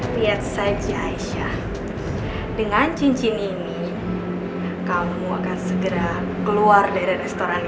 ria sajie aisyah dengan cincin ini kamu akan segera keluar dari restoran ini